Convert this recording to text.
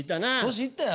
歳いったよ。